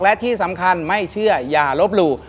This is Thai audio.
และที่สำคัญไม่เชื่ออย่าลบหลู่